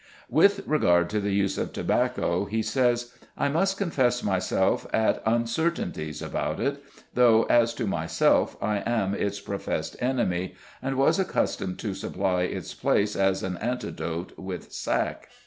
With regard to the use of tobacco, he says: "I must confess myself at uncertainties about it, though as to myself I am its professed enemy, and was accustomed to supply its place as an antidote with sack."